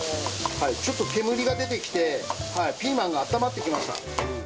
ちょっと煙が出てきてピーマンが温まってきました。